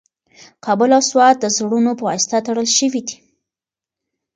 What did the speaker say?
کابل او سوات د زړونو په واسطه تړل شوي دي.